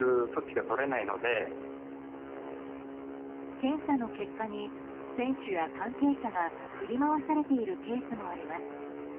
検査の結果に選手や関係者が振り回されているケースもあります。